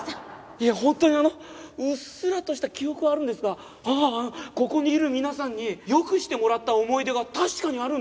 いや本当にあのうっすらとした記憶はあるんですがああここにいる皆さんによくしてもらった思い出が確かにあるんです！